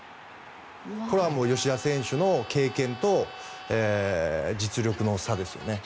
これは吉田選手の経験と実力の差ですよね。